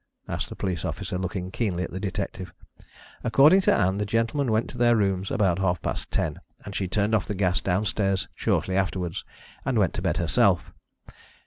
asked the police officer, looking keenly at the detective. "According to Ann, the gentlemen went to their rooms about half past ten, and she turned off the gas downstairs shortly afterwards, and went to bed herself.